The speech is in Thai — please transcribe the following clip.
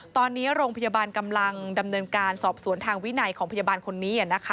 ตอนนี้โรงพยาบาลกำลังดำเนินการสอบสวนทางวินัยของพยาบาลคนนี้